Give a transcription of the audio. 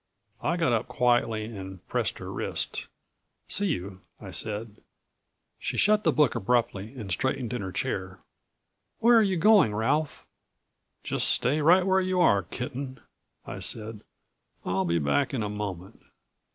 I got up quietly and pressed her wrist. "See you," I said. She shut the book abruptly and straightened in her chair. "Where are you going, Ralph?" "Just stay right where you are, kitten," I said. "I'll be back in a moment."